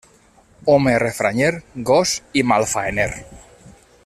Home refranyer, gos i malfaener.